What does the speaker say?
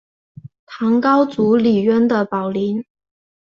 唐高祖李渊的宝林。